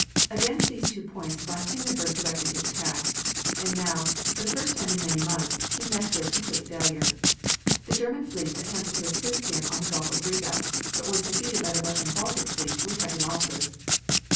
Against these two points von Hindenburg directed his attack. And now, for the first time in many months, he met with complete failure. The German fleet attempted to assist him on the Gulf of Riga, but was defeated by the Russian Baltic fleet with heavy losses.